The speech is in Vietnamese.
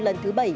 lần thứ bảy